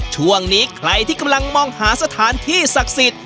ช่วงนี้ใครที่กำลังมองหาสถานที่ศักดิ์สิทธิ์